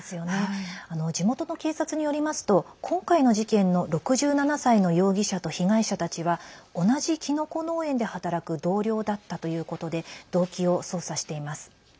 地元の警察によりますと今回の事件の６７歳の容疑者と被害者たちは同じキノコ農園で働く同僚だったということで動機を捜査しています。